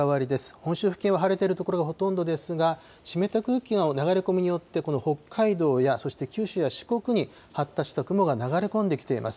本州付近は晴れている所がほとんどですが、湿った空気の流れ込みによって、この北海道やそして九州や四国に、発達した雲が流れ込んできています。